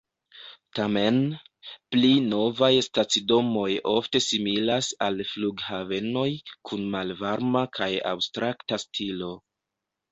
Tamen, pli novaj stacidomoj ofte similas al flughavenoj, kun malvarma kaj abstrakta stilo.